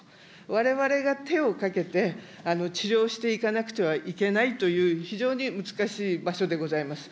われわれが手をかけて、治療していかなくてはいけないという、非常に難しい場所でございます。